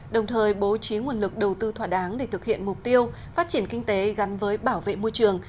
đồng thời bố trí nguồn lực đầu tư thỏa đáng để thực hiện mục tiêu phát triển kinh tế gắn với bảo vệ môi trường